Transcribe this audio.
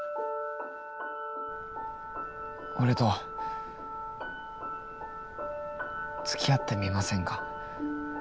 俺とつきあってみませんか？